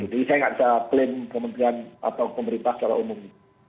jadi saya nggak bisa klaim kementerian atau pemerintah secara umum